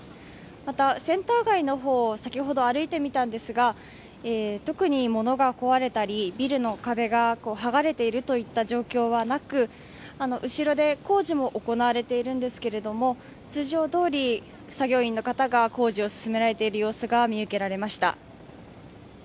また、センター街の方を先ほど歩いてみたんですが特に物が壊れたり、ビルの壁が剥がれているといった状況はなく工事も行われているんですけれども、通常通り作業員の方が工事を進められている様子が見受けられました。